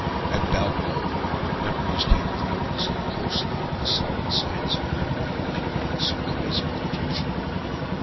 At Balmoral, where memories came crowding so closely, the solid signs of memory appeared in surprising profusion.